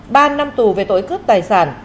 ban năm tù về tội cướp tài sản